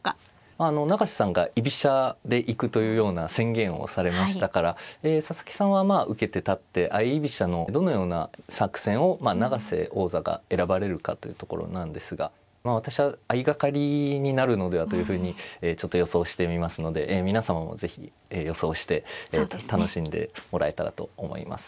あの永瀬さんが居飛車でいくというような宣言をされましたから佐々木さんはまあ受けて立って相居飛車のどのような作戦をまあ永瀬王座が選ばれるかというところなんですが私は相掛かりになるのではというふうにちょっと予想してみますので皆様も是非予想して楽しんでもらえたらと思います。